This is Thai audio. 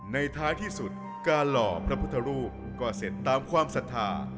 ท้ายที่สุดการหล่อพระพุทธรูปก็เสร็จตามความศรัทธา